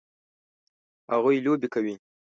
هغوی لوبې کوي